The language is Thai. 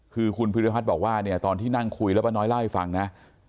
คือคุณภูริพัฒน์บอกว่าเนี่ยตอนที่นั่งคุยแล้วป้าน้อยเล่าให้ฟังนะ